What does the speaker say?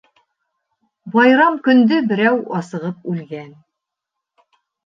Байрам көндө берәү асығып үлгән.